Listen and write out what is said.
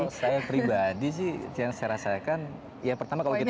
kalau saya pribadi sih yang saya rasakan ya pertama kalau kita